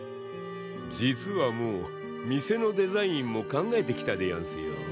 実はもう店のデザインも考えてきたでやんすよ。